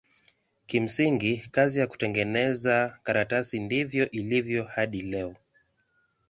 Kimsingi kazi ya kutengeneza karatasi ndivyo ilivyo hadi leo.